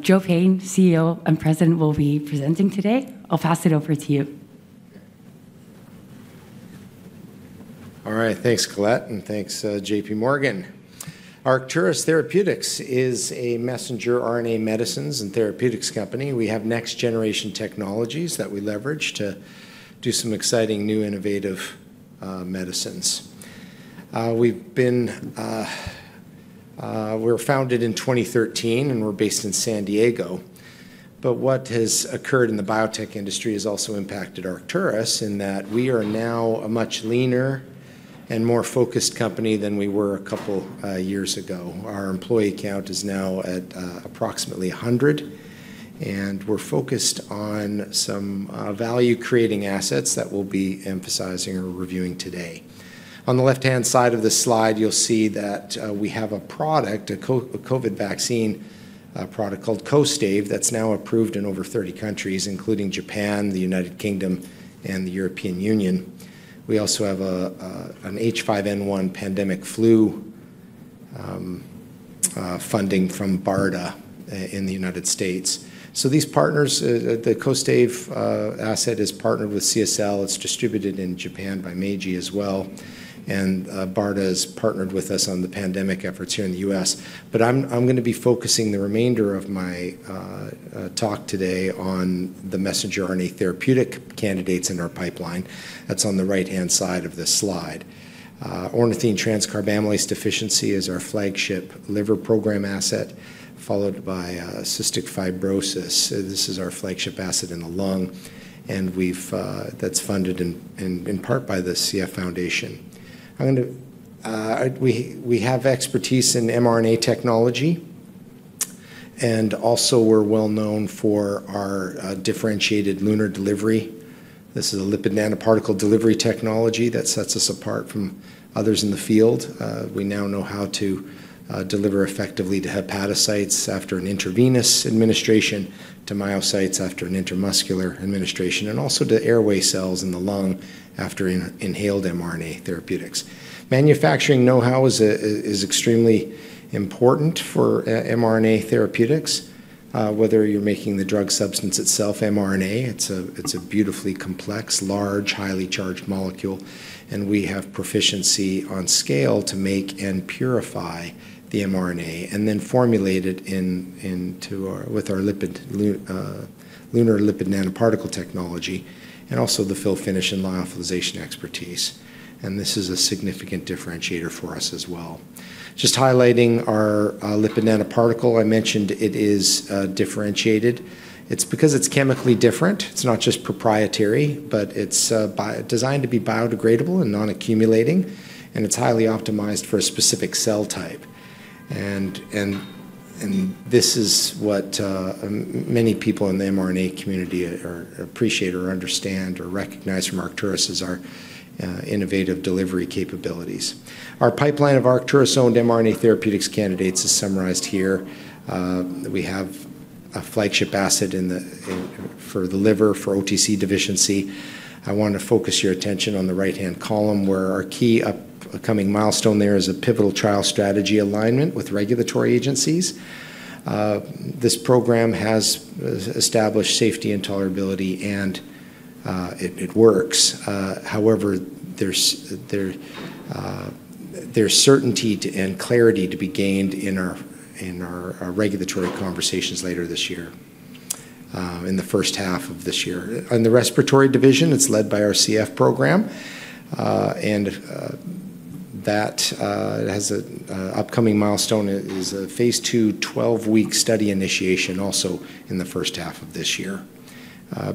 Joe Payne, CEO and President, will be presenting today. I'll pass it over to you. All right, thanks, Colette, and thanks, J.P. Morgan. Arcturus Therapeutics is a messenger RNA medicines and therapeutics company. We have next-generation technologies that we leverage to do some exciting new innovative medicines. We were founded in 2013, and we're based in San Diego. But what has occurred in the biotech industry has also impacted Arcturus in that we are now a much leaner and more focused company than we were a couple of years ago. Our employee count is now at approximately 100, and we're focused on some value-creating assets that we'll be emphasizing or reviewing today. On the left-hand side of the slide, you'll see that we have a product, a COVID vaccine product called Kostaive, that's now approved in over 30 countries, including Japan, the United Kingdom, and the European Union. We also have an H5N1 pandemic flu funding from BARDA in the United States. So these partners, the Kostaive asset is partnered with CSL. It's distributed in Japan by Meiji as well. And BARDA has partnered with us on the pandemic efforts here in the U.S. But I'm going to be focusing the remainder of my talk today on the messenger RNA therapeutic candidates in our pipeline. That's on the right-hand side of the slide. Ornithine transcarbamylase deficiency is our flagship liver program asset, followed by cystic fibrosis. This is our flagship asset in the lung, and that's funded in part by the CF Foundation. We have expertise in mRNA technology, and also we're well known for our differentiated LUNAR delivery. This is a lipid nanoparticle delivery technology that sets us apart from others in the field. We now know how to deliver effectively to hepatocytes after an intravenous administration, to myocytes after an intramuscular administration, and also to airway cells in the lung after inhaled mRNA therapeutics. Manufacturing know-how is extremely important for mRNA therapeutics, whether you're making the drug substance itself, mRNA. It's a beautifully complex, large, highly charged molecule, and we have proficiency on scale to make and purify the mRNA and then formulate it with our LUNAR lipid nanoparticle technology and also the fill, finish, and lyophilization expertise, and this is a significant differentiator for us as well. Just highlighting our lipid nanoparticle, I mentioned it is differentiated. It's because it's chemically different. It's not just proprietary, but it's designed to be biodegradable and non-accumulating, and it's highly optimized for a specific cell type. This is what many people in the mRNA community appreciate or understand or recognize from Arcturus' innovative delivery capabilities. Our pipeline of Arcturus-owned mRNA therapeutics candidates is summarized here. We have a flagship asset for the liver for OTC deficiency. I want to focus your attention on the right-hand column where our key upcoming milestone there is a pivotal trial strategy alignment with regulatory agencies. This program has established safety and tolerability, and it works. However, there's certainty and clarity to be gained in our regulatory conversations later this year, in the first half of this year. On the respiratory division, it's led by our CF program, and that has an upcoming milestone: it is a phase II, 12-week study initiation also in the first half of this year.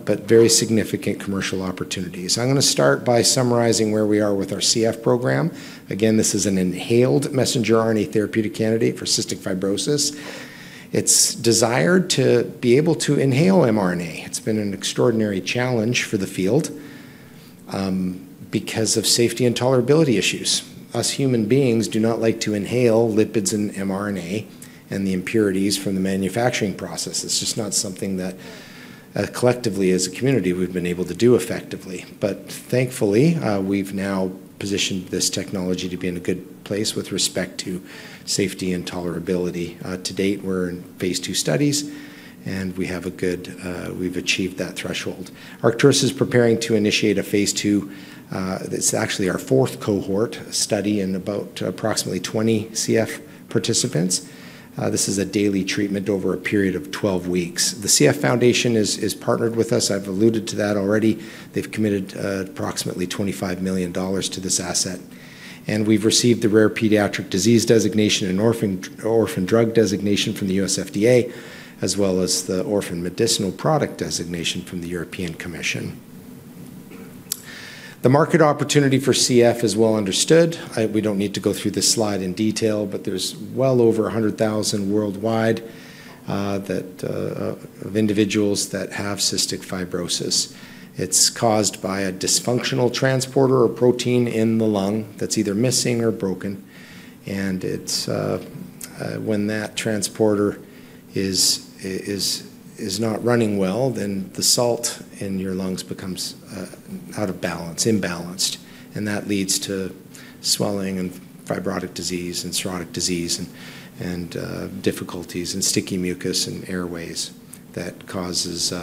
But very significant commercial opportunities. I'm going to start by summarizing where we are with our CF program. Again, this is an inhaled messenger RNA therapeutic candidate for cystic fibrosis. It's desired to be able to inhale mRNA. It's been an extraordinary challenge for the field because of safety and tolerability issues. Us, human beings, do not like to inhale lipids and mRNA and the impurities from the manufacturing process. It's just not something that, collectively, as a community, we've been able to do effectively. But thankfully, we've now positioned this technology to be in a good place with respect to safety and tolerability. To date, we're in phase II studies, and we have a good—we've achieved that threshold. Arcturus is preparing to initiate a phase II that's actually our fourth cohort study in about approximately 20 CF participants. This is a daily treatment over a period of 12 weeks. The CF Foundation is partnered with us. I've alluded to that already. They've committed approximately $25 million to this asset. We've received the Rare Pediatric Disease designation and Orphan Drug designation from the U.S. FDA, as well as the Orphan Medicinal Product designation from the European Commission. The market opportunity for CF is well understood. We don't need to go through this slide in detail, but there's well over 100,000 worldwide of individuals that have cystic fibrosis. It's caused by a dysfunctional transporter or protein in the lung that's either missing or broken. When that transporter is not running well, then the salt in your lungs becomes out of balance, imbalanced. That leads to swelling and fibrotic disease and cirrhotic disease and difficulties and sticky mucus and airways that causes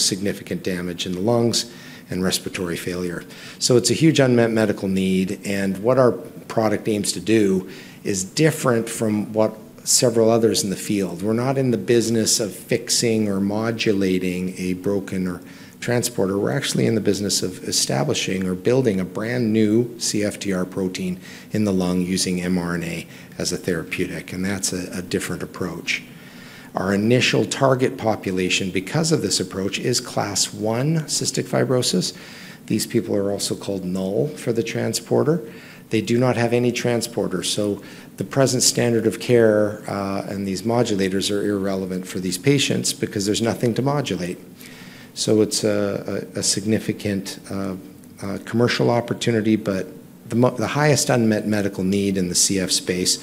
significant damage in the lungs and respiratory failure. It's a huge unmet medical need. And what our product aims to do is different from what several others in the field. We're not in the business of fixing or modulating a broken transporter. We're actually in the business of establishing or building a brand new CFTR protein in the lung using mRNA as a therapeutic. And that's a different approach. Our initial target population, because of this approach, is Class I cystic fibrosis. These people are also called null for the transporter. They do not have any transporter. So the present standard of care, and these modulators, are irrelevant for these patients because there's nothing to modulate. So it's a significant commercial opportunity. But the highest unmet medical need in the CF space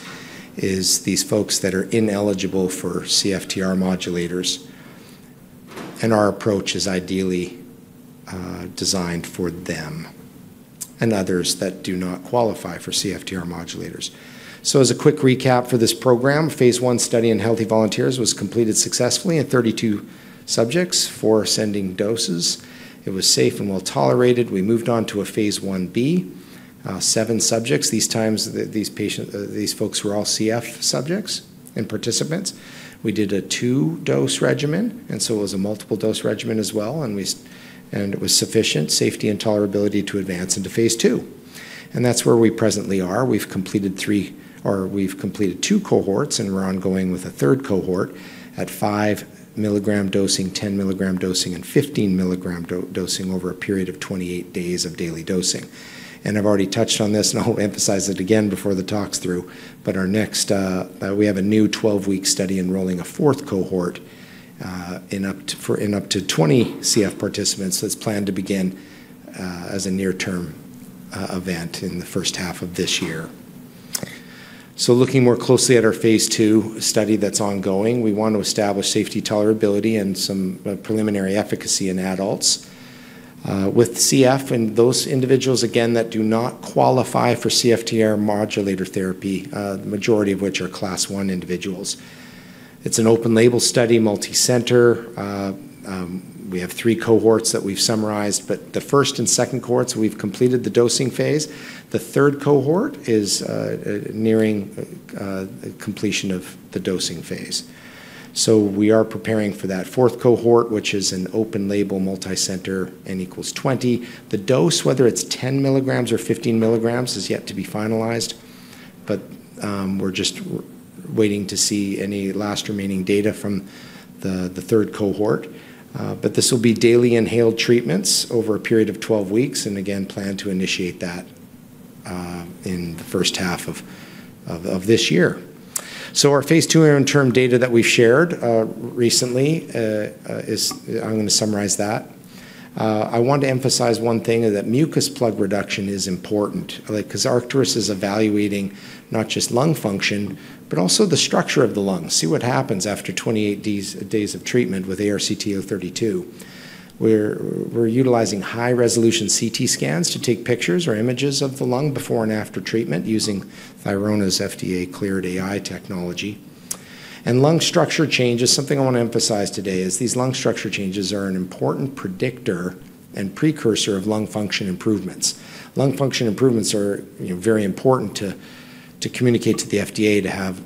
is these folks that are ineligible for CFTR modulators. And our approach is ideally designed for them and others that do not qualify for CFTR modulators. As a quick recap for this program, phase I study in healthy volunteers was completed successfully in 32 subjects, four ascending doses. It was safe and well tolerated. We moved on to a Phase 1B, seven subjects. This time, these folks were all CF subjects and participants. We did a two-dose regimen, and so it was a multiple-dose regimen as well. And it was sufficient safety and tolerability to advance into phase II. And that's where we presently are. We've completed three or we've completed two cohorts, and we're ongoing with a third cohort at 5 mg dosing, 10 mg dosing, and 15 mg dosing over a period of 28 days of daily dosing. And I've already touched on this, and I'll emphasize it again before the talk's through. But we have a new 12-week study enrolling a fourth cohort in up to 20 CF participants that's planned to begin as a near-term event in the first half of this year. So looking more closely at our phase II study that's ongoing, we want to establish safety, tolerability and some preliminary efficacy in adults with CF and those individuals, again, that do not qualify for CFTR modulator therapy, the majority of which are class I individuals. It's an open-label study, multi-centered. We have three cohorts that we've summarized. But the first and second cohorts, we've completed the dosing phase. The third cohort is nearing completion of the dosing phase. So we are preparing for that fourth cohort, which is an open-label multi-centered N equals 20. The dose, whether it's 10 mg or 15 mg, is yet to be finalized. But we're just waiting to see any last remaining data from the third cohort. But this will be daily inhaled treatments over a period of 12 weeks. And again, plan to initiate that in the first half of this year. So our phase II interim data that we've shared recently is. I'm going to summarize that. I want to emphasize one thing, that mucus plug reduction is important because Arcturus is evaluating not just lung function, but also the structure of the lung. See what happens after 28 days of treatment with ARCT-032. We're utilizing high-resolution CT scans to take pictures or images of the lung before and after treatment using Thirona's FDA-cleared AI technology. And lung structure changes, something I want to emphasize today, is these lung structure changes are an important predictor and precursor of lung function improvements. Lung function improvements are very important to communicate to the FDA to have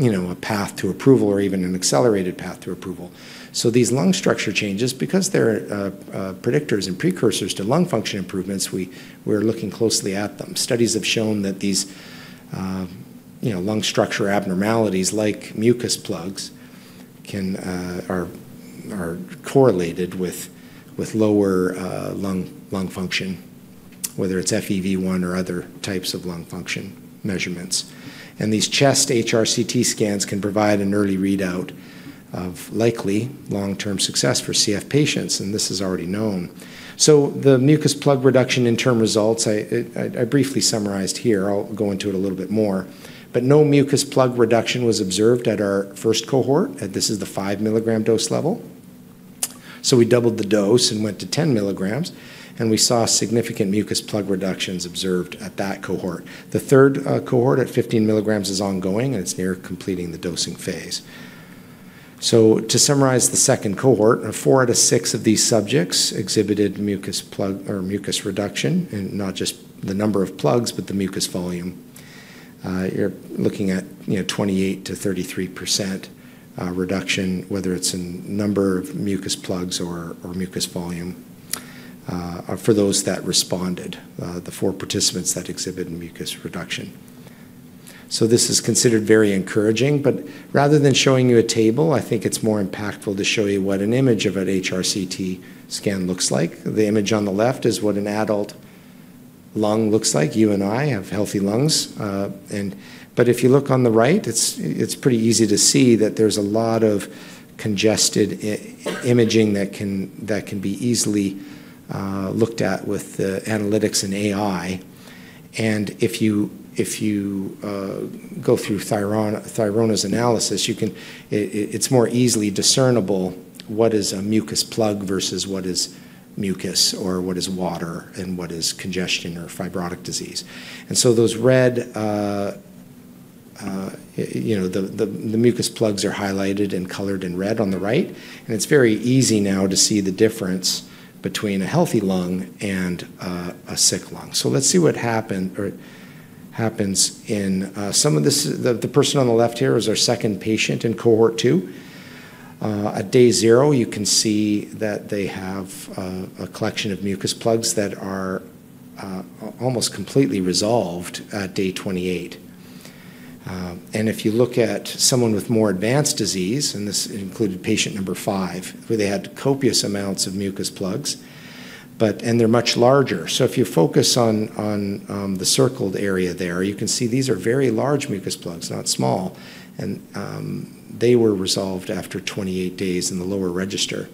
a path to approval or even an accelerated path to approval, so these lung structure changes, because they're predictors and precursors to lung function improvements, we're looking closely at them. Studies have shown that these lung structure abnormalities like mucus plugs are correlated with lower lung function, whether it's FEV1 or other types of lung function measurements, and these chest HRCT scans can provide an early readout of likely long-term success for CF patients, and this is already known, so the mucus plug reduction interim results, I briefly summarized here. I'll go into it a little bit more, but no mucus plug reduction was observed at our first cohort. This is the five-milligram dose level, so we doubled the dose and went to 10 mg and we saw significant mucus plug reductions observed at that cohort. The third cohort at 15 mg is ongoing, and it's near completing the dosing phase. So to summarize the second cohort, four out of six of these subjects exhibited mucus plug or mucus reduction, and not just the number of plugs, but the mucus volume. You're looking at 28%-33% reduction, whether it's in number of mucus plugs or mucus volume for those that responded, the four participants that exhibited mucus reduction. So this is considered very encouraging. But rather than showing you a table, I think it's more impactful to show you what an image of an HRCT scan looks like. The image on the left is what an adult lung looks like. You and I have healthy lungs. But if you look on the right, it's pretty easy to see that there's a lot of congested imaging that can be easily looked at with the analytics and AI. And if you go through Thirona's analysis, it's more easily discernible what is a mucus plug versus what is mucus or what is water and what is congestion or fibrotic disease. And so those red, the mucus plugs are highlighted and colored in red on the right. And it's very easy now to see the difference between a healthy lung and a sick lung. So let's see what happens in some of this. The person on the left here is our second patient in cohort two. At day zero, you can see that they have a collection of mucus plugs that are almost completely resolved at day 28. If you look at someone with more advanced disease, and this included patient number five, where they had copious amounts of mucus plugs, and they're much larger. So if you focus on the circled area there, you can see these are very large mucus plugs, not small. And they were resolved after 28 days in the lower register.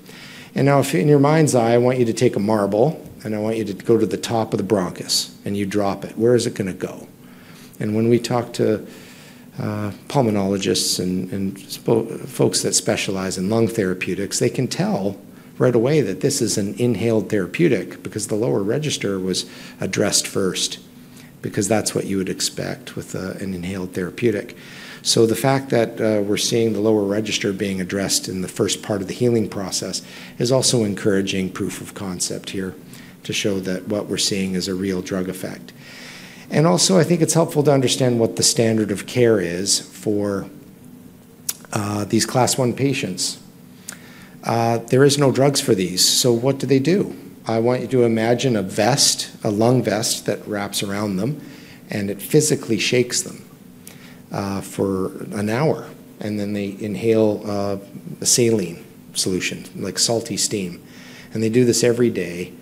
And now, if in your mind's eye, I want you to take a marble, and I want you to go to the top of the bronchus, and you drop it. Where is it going to go? And when we talk to pulmonologists and folks that specialize in lung therapeutics, they can tell right away that this is an inhaled therapeutic because the lower register was addressed first because that's what you would expect with an inhaled therapeutic. The fact that we're seeing the lower register being addressed in the first part of the healing process is also encouraging proof of concept here to show that what we're seeing is a real drug effect. And also, I think it's helpful to understand what the standard of care is for these Class I patients. There are no drugs for these. So what do they do? I want you to imagine a vest, a lung vest that wraps around them, and it physically shakes them for an hour. And then they inhale a saline solution, like salty steam. And they do this every day.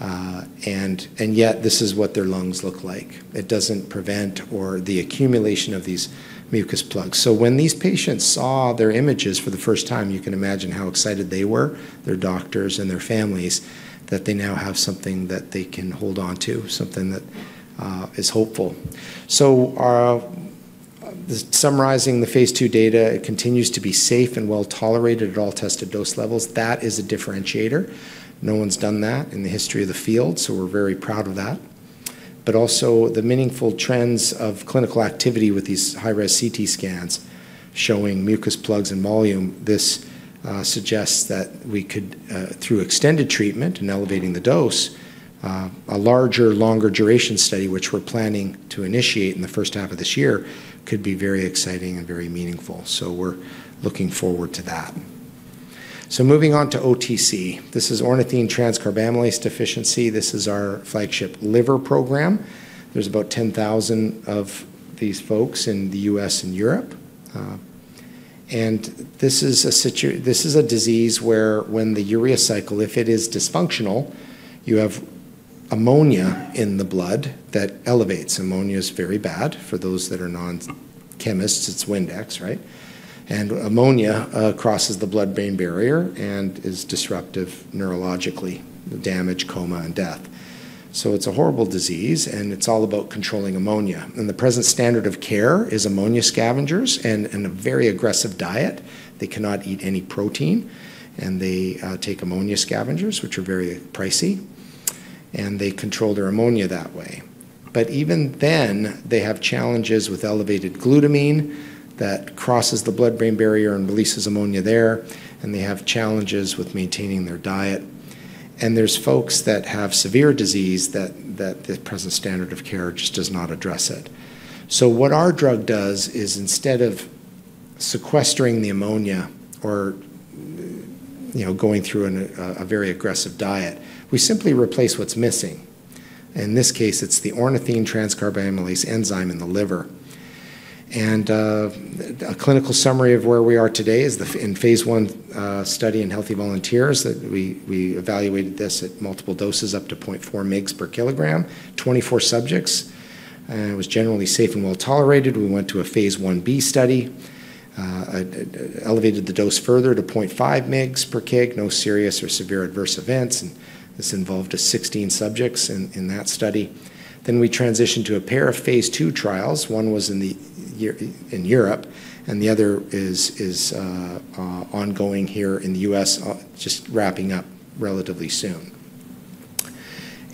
And yet, this is what their lungs look like. It doesn't prevent or the accumulation of these mucus plugs. When these patients saw their images for the first time, you can imagine how excited they were, their doctors and their families, that they now have something that they can hold on to, something that is hopeful. Summarizing the phase II data, it continues to be safe and well tolerated at all tested dose levels. That is a differentiator. No one's done that in the history of the field, so we're very proud of that. But also, the meaningful trends of clinical activity with these high-resolution CT scans showing mucus plugs and volume, this suggests that we could, through extended treatment and elevating the dose, a larger, longer duration study, which we're planning to initiate in the first half of this year, could be very exciting and very meaningful. We're looking forward to that. Moving on to OTC. This is ornithine transcarbamylase deficiency. This is our flagship liver program. There's about 10,000 of these folks in the U.S. and Europe, and this is a disease where when the urea cycle, if it is dysfunctional, you have ammonia in the blood that elevates. Ammonia is very bad. For those that are non-chemists, it's Windex, right, and ammonia crosses the blood-brain barrier and is disruptive neurologically, damage, coma, and death, so it's a horrible disease, and it's all about controlling ammonia, and the present standard of care is ammonia scavengers and a very aggressive diet. They cannot eat any protein, and they take ammonia scavengers, which are very pricey, and they control their ammonia that way, but even then, they have challenges with elevated glutamine that crosses the blood-brain barrier and releases ammonia there. And they have challenges with maintaining their diet. There's folks that have severe disease that the present standard of care just does not address it. What our drug does is, instead of sequestering the ammonia or going through a very aggressive diet, we simply replace what's missing. In this case, it's the ornithine transcarbamylase enzyme in the liver. A clinical summary of where we are today is in phase I study in healthy volunteers that we evaluated this at multiple doses up to 0.4 mg per kilogram, 24 subjects. It was generally safe and well tolerated. We went to a phase 1B study, elevated the dose further to 0.5 mg per kg, no serious or severe adverse events. This involved 16 subjects in that study. We transitioned to a pair of phase II trials. One was in Europe, and the other is ongoing here in the U.S., just wrapping up relatively soon.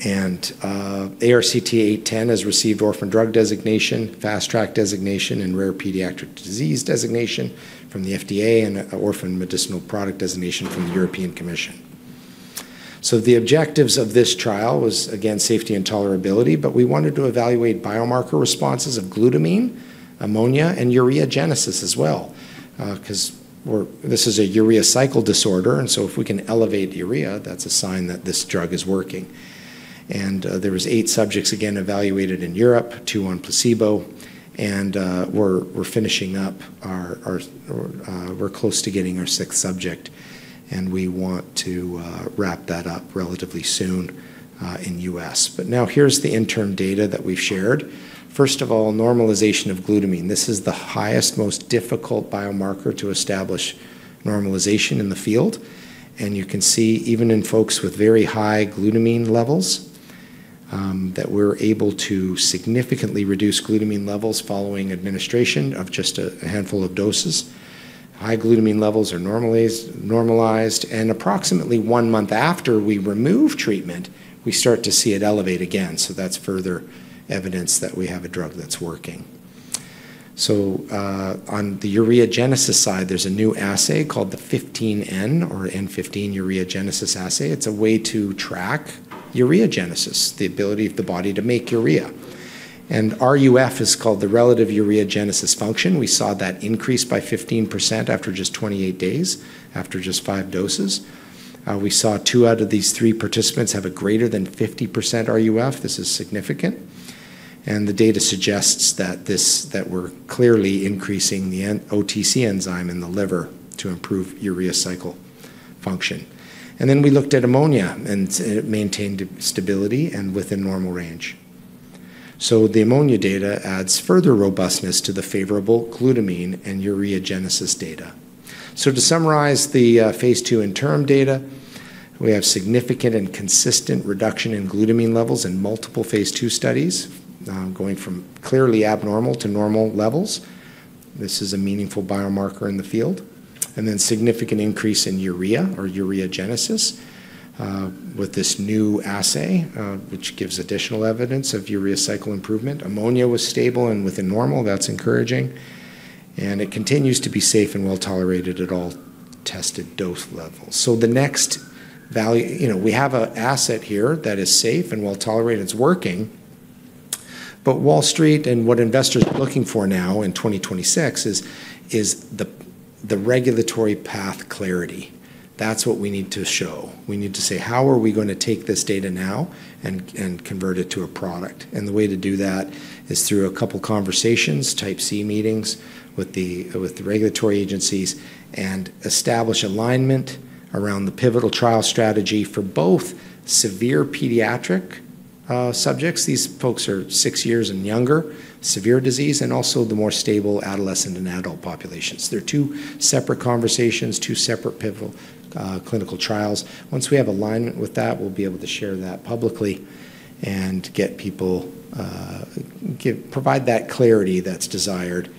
And ARCT-810 has received orphan drug designation, fast track designation, and rare pediatric disease designation from the FDA and orphan medicinal product designation from the European Commission. So the objectives of this trial was, again, safety and tolerability. But we wanted to evaluate biomarker responses of glutamine, ammonia, and ureogenesis as well because this is a urea cycle disorder. And so if we can elevate urea, that's a sign that this drug is working. And there were eight subjects, again, evaluated in Europe, two on placebo. And we're finishing up. We're close to getting our sixth subject, and we want to wrap that up relatively soon in U.S. But now, here's the interim data that we've shared. First of all, normalization of glutamine. This is the highest, most difficult biomarker to establish normalization in the field, and you can see, even in folks with very high glutamine levels, that we're able to significantly reduce glutamine levels following administration of just a handful of doses. High glutamine levels are normalized, and approximately one month after we remove treatment, we start to see it elevate again. So that's further evidence that we have a drug that's working, so on the ureogenesis side, there's a new assay called the 15N or N15 ureogenesis assay. It's a way to track ureogenesis, the ability of the body to make urea, and RUF is called the relative ureogenesis function. We saw that increase by 15% after just 28 days, after just five doses. We saw two out of these three participants have a greater than 50% RUF. This is significant. And the data suggests that we're clearly increasing the OTC enzyme in the liver to improve urea cycle function. And then we looked at ammonia, and it maintained stability and within normal range. So the ammonia data adds further robustness to the favorable glutamine and ureogenesis data. So to summarize the phase II interim data, we have significant and consistent reduction in glutamine levels in multiple phase II studies, going from clearly abnormal to normal levels. This is a meaningful biomarker in the field. And then significant increase in urea or ureogenesis with this new assay, which gives additional evidence of urea cycle improvement. Ammonia was stable and within normal. That's encouraging. And it continues to be safe and well tolerated at all tested dose levels. So the next value, we have an asset here that is safe and well tolerated. It's working. But Wall Street and what investors are looking for now in 2026 is the regulatory path clarity. That's what we need to show. We need to say, "How are we going to take this data now and convert it to a product?" And the way to do that is through a couple of conversations, Type C meetings with the regulatory agencies, and establish alignment around the pivotal trial strategy for both severe pediatric subjects. These folks are six years and younger, severe disease, and also the more stable adolescent and adult populations. They're two separate conversations, two separate pivotal clinical trials. Once we have alignment with that, we'll be able to share that publicly and provide that clarity that's desired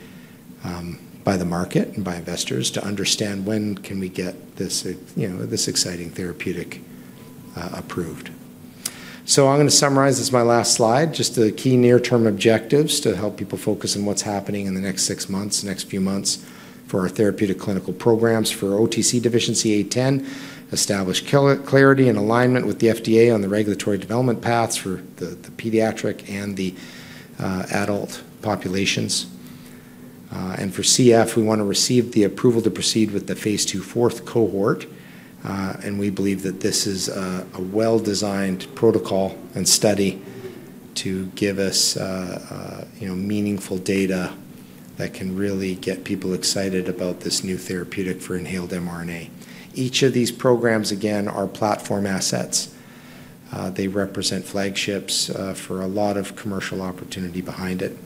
by the market and by investors to understand when can we get this exciting therapeutic approved. So I'm going to summarize. This is my last slide. Just the key near-term objectives to help people focus on what's happening in the next six months, next few months for our therapeutic clinical programs for OTC deficiency ARCT-810, establish clarity and alignment with the FDA on the regulatory development paths for the pediatric and the adult populations. And for CF, we want to receive the approval to proceed with the phase II fourth cohort. And we believe that this is a well-designed protocol and study to give us meaningful data that can really get people excited about this new therapeutic for inhaled mRNA. Each of these programs, again, are platform assets. They represent flagships for a lot of commercial opportunity behind it.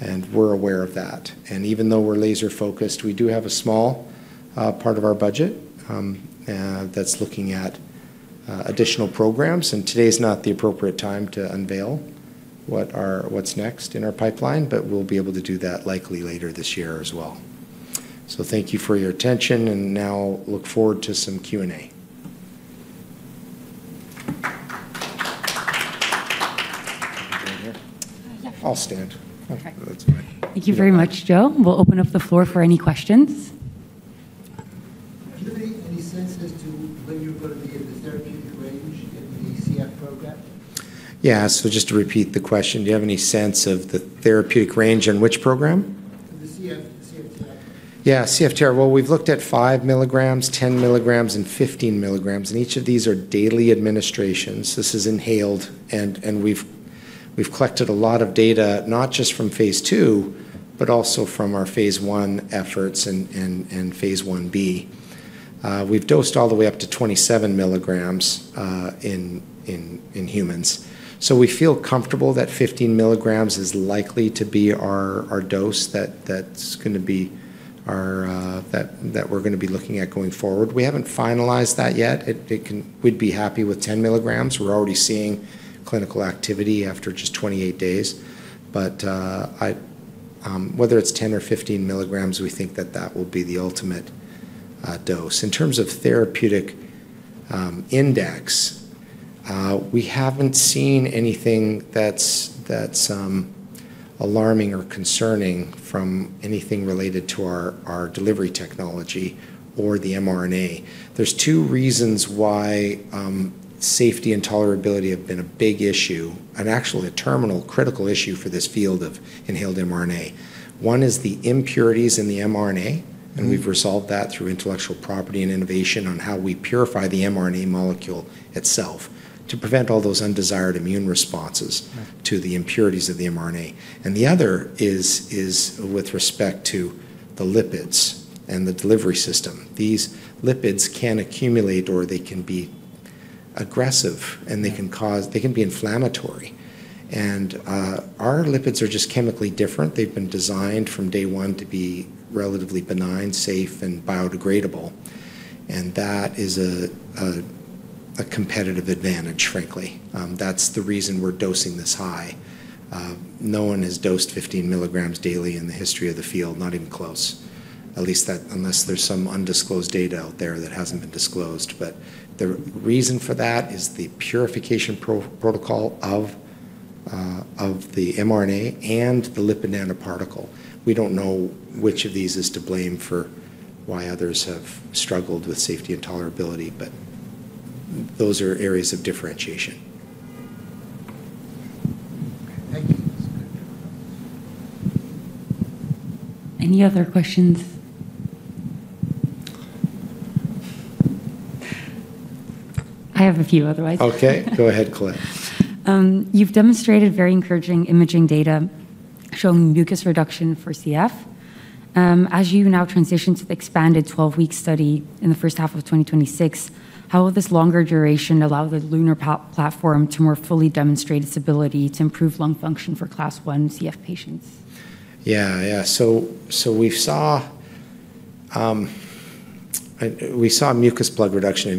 And we're aware of that. And even though we're laser-focused, we do have a small part of our budget that's looking at additional programs. Today is not the appropriate time to unveil what's next in our pipeline, but we'll be able to do that likely later this year as well. Thank you for your attention. Now, look forward to some Q&A. I'll stand. That's fine. Thank you very much, Joe. We'll open up the floor for any questions. Do you have any sense as to when you're going to be in the therapeutic range in the CF program? Yeah. Just to repeat the question, do you have any sense of the therapeutic range on which program? The CFTR. Yeah, CFTR. We've looked at five mg, 10 mg, and 15 mg. And each of these are daily administrations. This is inhaled. And we've collected a lot of data, not just from phase II, but also from our phase I efforts and phase 1B. We've dosed all the way up to 27 mg in humans. So we feel comfortable that 15 mg is likely to be our dose that's going to be the one we're going to be looking at going forward. We haven't finalized that yet. We'd be happy with 10 mg. We're already seeing clinical activity after just 28 days. But whether it's 10 or 15 mg, we think that will be the ultimate dose. In terms of therapeutic index, we haven't seen anything that's alarming or concerning from anything related to our delivery technology or the mRNA. There are two reasons why safety and tolerability have been a big issue, and actually a terminal critical issue for this field of inhaled mRNA. One is the impurities in the mRNA. We've resolved that through intellectual property and innovation on how we purify the mRNA molecule itself to prevent all those undesired immune responses to the impurities of the mRNA. The other is with respect to the lipids and the delivery system. These lipids can accumulate or they can be aggressive, and they can be inflammatory. Our lipids are just chemically different. They've been designed from day one to be relatively benign, safe, and biodegradable. That is a competitive advantage, frankly. That's the reason we're dosing this high. No one has dosed 15 mg daily in the history of the field, not even close, unless there's some undisclosed data out there that hasn't been disclosed. The reason for that is the purification protocol of the mRNA and the lipid nanoparticle. We don't know which of these is to blame for why others have struggled with safety and tolerability, but those are areas of differentiation. Thank you. Any other questions? I have a few otherwise. Okay. Go ahead, Colette. You've demonstrated very encouraging imaging data showing mucus reduction for CF. As you now transition to the expanded 12-week study in the first half of 2026, how will this longer duration allow the LUNAR platform to more fully demonstrate its ability to improve lung function for Class I CF patients? Yeah. Yeah. So we saw mucus plug reduction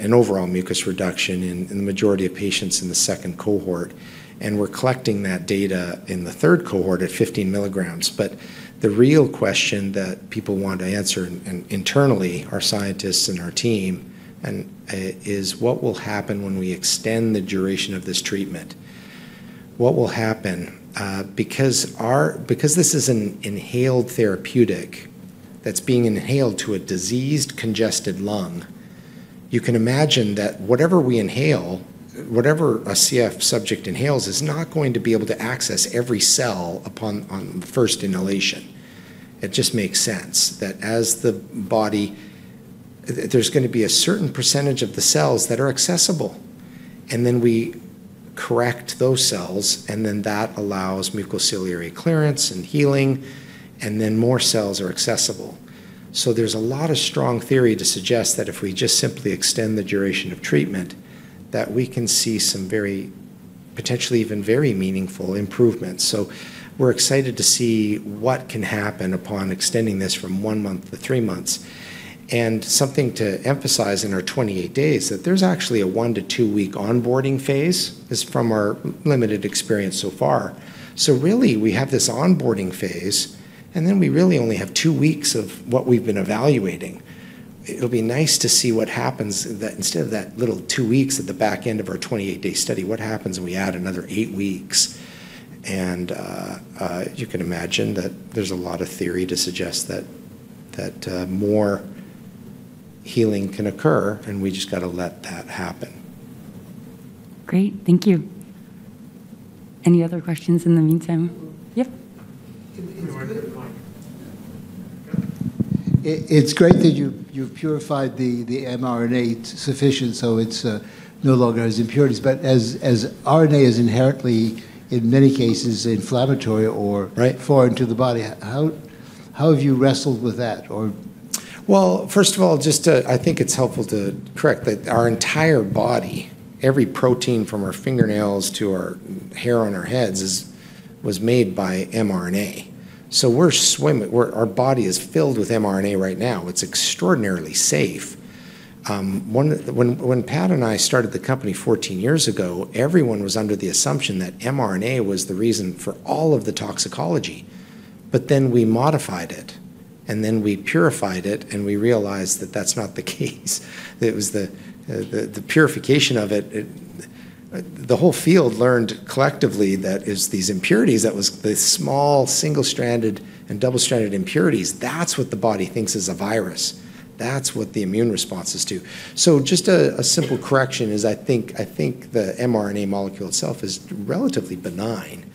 and overall mucus reduction in the majority of patients in the second cohort. And we're collecting that data in the third cohort at 15 mg. But the real question that people want to answer internally, our scientists and our team, is what will happen when we extend the duration of this treatment? What will happen? Because this is an inhaled therapeutic that's being inhaled to a diseased congested lung, you can imagine that whatever we inhale, whatever a CF subject inhales, is not going to be able to access every cell upon first inhalation. It just makes sense that as the body, there's going to be a certain percentage of the cells that are accessible. And then we correct those cells, and then that allows mucociliary clearance and healing, and then more cells are accessible. So there's a lot of strong theory to suggest that if we just simply extend the duration of treatment, that we can see some very, potentially even very meaningful improvements. So we're excited to see what can happen upon extending this from one month to three months. Something to emphasize in our 28 days is that there's actually a one- to two-week onboarding phase from our limited experience so far. So really, we have this onboarding phase, and then we really only have two weeks of what we've been evaluating. It'll be nice to see what happens instead of that little two weeks at the back end of our 28-day study, what happens if we add another eight weeks? And you can imagine that there's a lot of theory to suggest that more healing can occur, and we just got to let that happen. Great. Thank you. Any other questions in the meantime? Yep. It's great that you've purified the mRNA sufficient so it's no longer has impurities. But as RNA is inherently, in many cases, inflammatory or foreign to the body, how have you wrestled with that? First of all, I think it's helpful to correct that our entire body, every protein from our fingernails to our hair on our heads was made by mRNA. So our body is filled with mRNA right now. It's extraordinarily safe. When Pad and I started the company 14 years ago, everyone was under the assumption that mRNA was the reason for all of the toxicology. But then we modified it, and then we purified it, and we realized that that's not the case. It was the purification of it. The whole field learned collectively that it's these impurities that were the small single-stranded and double-stranded impurities. That's what the body thinks is a virus. That's what the immune response is to. So just a simple correction is I think the mRNA molecule itself is relatively benign.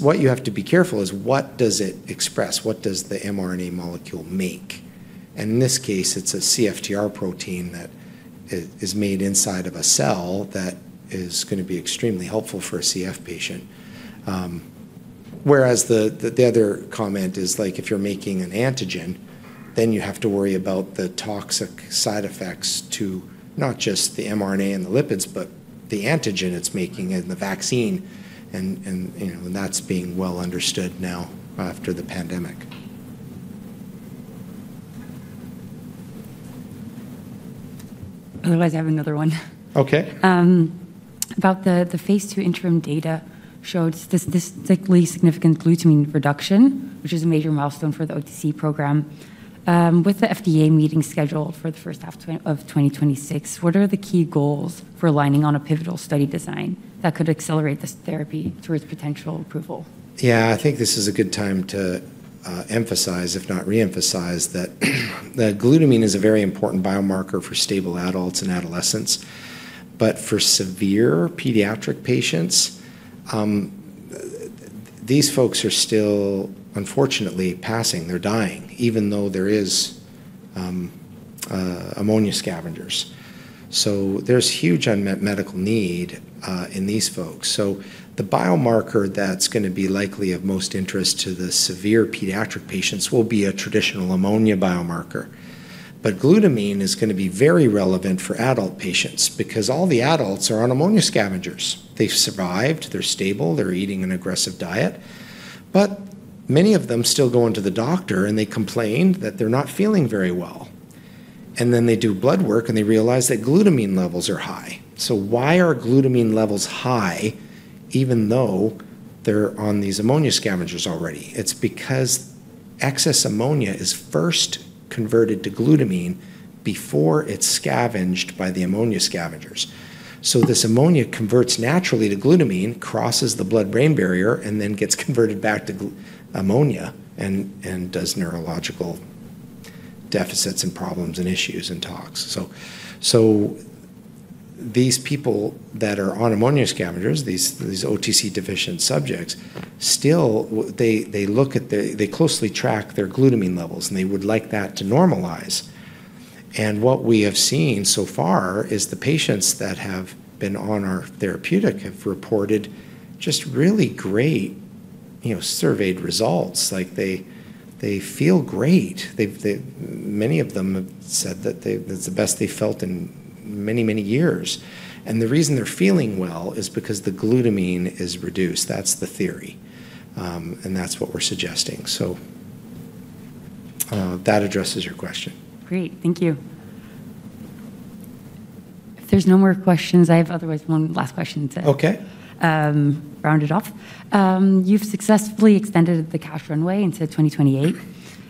What you have to be careful is what does it express? What does the mRNA molecule make? And in this case, it's a CFTR protein that is made inside of a cell that is going to be extremely helpful for a CF patient. Whereas the other comment is if you're making an antigen, then you have to worry about the toxic side effects to not just the mRNA and the lipids, but the antigen it's making and the vaccine. And that's being well understood now after the pandemic. Otherwise, I have another one. Okay. About the phase two interim data showed statistically significant glutamine reduction, which is a major milestone for the OTC program. With the FDA meeting scheduled for the first half of 2026, what are the key goals for aligning on a pivotal study design that could accelerate this therapy towards potential approval? Yeah. I think this is a good time to emphasize, if not reemphasize, that glutamine is a very important biomarker for stable adults and adolescents. But for severe pediatric patients, these folks are still, unfortunately, passing. They're dying, even though there are ammonia scavengers. So there's huge unmet medical need in these folks. So the biomarker that's going to be likely of most interest to the severe pediatric patients will be a traditional ammonia biomarker. But glutamine is going to be very relevant for adult patients because all the adults are on ammonia scavengers. They've survived. They're stable. They're eating an aggressive diet. But many of them still go into the doctor, and they complain that they're not feeling very well. And then they do blood work, and they realize that glutamine levels are high. So why are glutamine levels high even though they're on these ammonia scavengers already? It's because excess ammonia is first converted to glutamine before it's scavenged by the ammonia scavengers, so this ammonia converts naturally to glutamine, crosses the blood-brain barrier, and then gets converted back to ammonia and does neurological deficits and problems and issues and talks, so these people that are on ammonia scavengers, these OTC deficient subjects, still, they closely track their glutamine levels, and they would like that to normalize, and what we have seen so far is the patients that have been on our therapeutic have reported just really great surveyed results. They feel great. Many of them have said that it's the best they've felt in many, many years. And the reason they're feeling well is because the glutamine is reduced. That's the theory. And that's what we're suggesting, so that addresses your question. Great. Thank you. If there's no more questions, I have otherwise one last question to round it off. You've successfully extended the cash runway into 2028.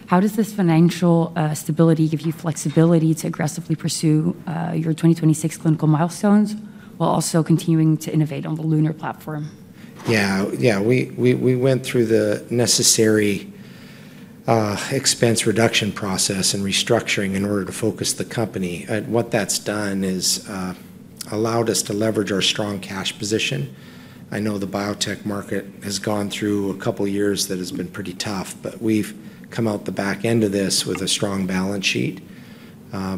How does this financial stability give you flexibility to aggressively pursue your 2026 clinical milestones while also continuing to innovate on the LUNAR platform? Yeah. Yeah. We went through the necessary expense reduction process and restructuring in order to focus the company. What that's done is allowed us to leverage our strong cash position. I know the biotech market has gone through a couple of years that has been pretty tough, but we've come out the back end of this with a strong balance sheet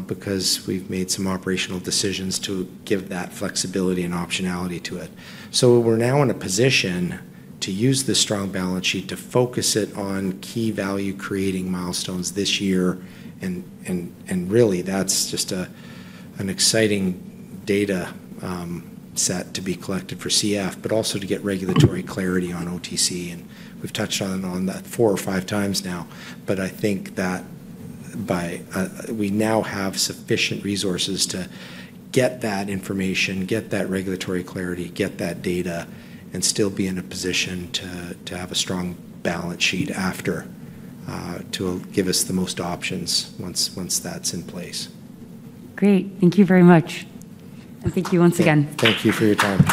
because we've made some operational decisions to give that flexibility and optionality to it. So we're now in a position to use this strong balance sheet to focus it on key value-creating milestones this year. And really, that's just an exciting data set to be collected for CF, but also to get regulatory clarity on OTC. And we've touched on that four or five times now. But I think that we now have sufficient resources to get that information, get that regulatory clarity, get that data, and still be in a position to have a strong balance sheet after to give us the most options once that's in place. Great. Thank you very much. And thank you once again. Thank you for your time.